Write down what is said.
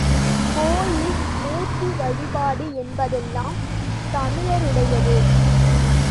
கோயில், மூர்த்தி வழிபாடு என்பதெல்லாம் தமிழருடையதே.